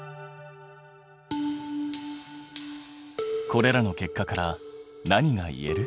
これらの結果から何が言える？